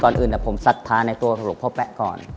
อื่นผมศรัทธาในตัวหลวงพ่อแป๊ะก่อน